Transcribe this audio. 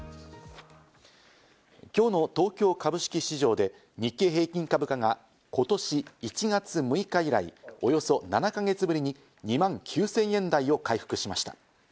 今日の東京株式市場で日経平均株価が今年１月６日以来、およそ７か月ぶりに２万９０００円台を回復しました。